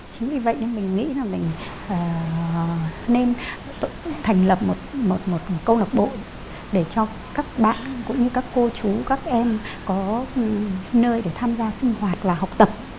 chính vì vậy nên mình nghĩ là mình nên thành lập một câu lạc bộ để cho các bạn cũng như các cô chú các em có nơi để tham gia sinh hoạt và học tập